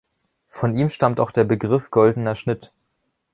Von ihm stammt auch der Begriff Goldener Schnitt.